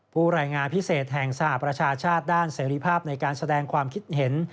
ผู้รายงานพิเศษแห่งสหประชาชาติด้านเสรีภาพในการแสดงความคิดเห็น